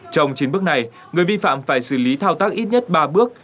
trong chín bước này người vi phạm phải xử lý thao tác ít nhất ba bước